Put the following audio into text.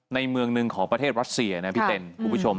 ในเมืองหนึ่งของประเทศรัสเซียนะพี่เต้นคุณผู้ชม